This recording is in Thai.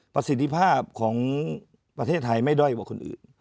ประสิทธิภาพของประเทศไทยไม่ด้อยกว่าคนอื่น